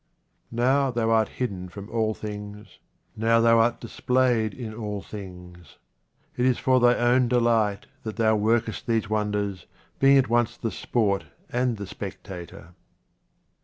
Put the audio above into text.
Now Thou art hidden from all things, now Thou art displayed in all things. It is for Thy own 26 QUATRAINS OF OMAR KHAYYAM delight that Thou workest these wonders, being at once the sport and the spectator.